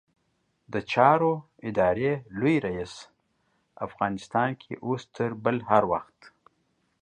د چارو ادارې لوی رئيس؛ افغانستان کې اوس تر بل هر وخت